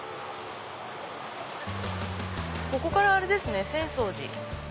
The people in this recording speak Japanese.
ここからあれですね浅草寺。